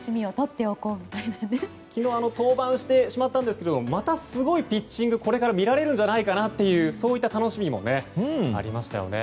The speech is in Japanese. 昨日降板してしまったんですがまたすごいピッチングをこれから見られるんじゃないかというそういった楽しみもありましたよね。